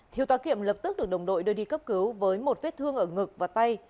thiếu tá kiểm lập tức được đồng đội đưa đi cấp cứu với một vết thương ở ngực và tay